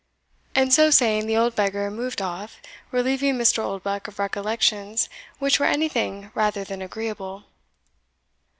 And so saying, the old beggar moved off, relieving Mr. Oldbuck of recollections which were anything rather than agreeable.